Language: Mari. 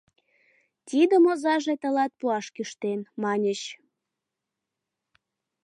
«Тидым озаже тылат пуаш кӱштен», — маньыч.